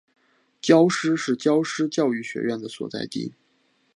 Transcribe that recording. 皎施是皎施教育学院的所在地。